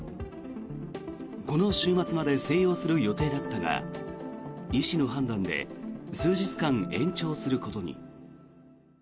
この週末まで静養する予定だったが医師の判断で数日間延長することに。